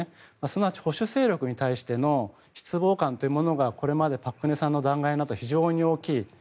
すなわち保守勢力に対しての失望感というのがこれまでの朴槿惠さんの弾劾などで非常に大きい。